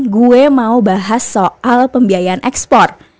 gue mau bahas soal pembiayaan ekspor